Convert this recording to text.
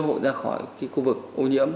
hộ ra khỏi khu vực ô nhiễm